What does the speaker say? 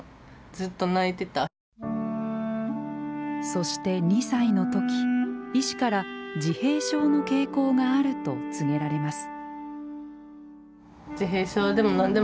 そして２歳の時医師から自閉症の傾向があると告げられます。